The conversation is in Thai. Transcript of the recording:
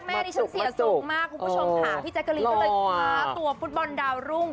คุณผู้ชมขาพี่แจ๊กกะลิมากตัวบุ๊คบอลตราวรุ้ง